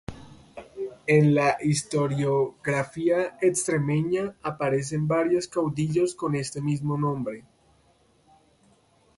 En la historiografía extremeña aparecen varios caudillos con este mismo nombre.